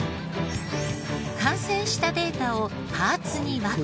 完成したデータをパーツに分け。